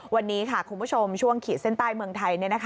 วันนี้ค่ะคุณผู้ชมช่วงขีดเส้นใต้เมืองไทย